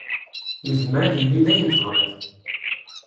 Yezmer ad yili d ayen tebɣiḍ.